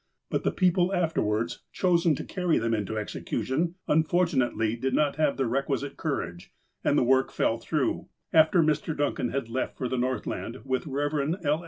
But the people afterwards chosen to carry them into exe cution unfortunately did not have the requisite courage, and the work fell through, after Mr. Duncan had left for the Northland with the Eev. L.